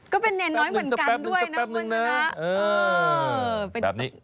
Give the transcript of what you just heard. ก็เป็นน้อยเหมือนกันด้วยนะคุณจุมัติเออแบบนี้